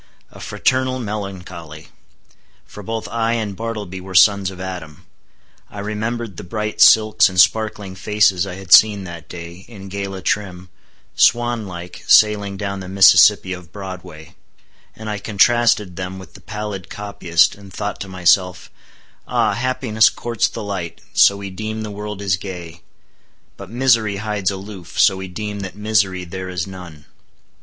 A fraternal melancholy! For both I and Bartleby were sons of Adam. I remembered the bright silks and sparkling faces I had seen that day, in gala trim, swan like sailing down the Mississippi of Broadway; and I contrasted them with the pallid copyist, and thought to myself, Ah, happiness courts the light, so we deem the world is gay; but misery hides aloof, so we deem that misery there is none.